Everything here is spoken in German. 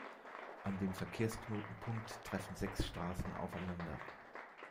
An dem Verkehrsknotenpunkt treffen sechs Straßen aufeinander.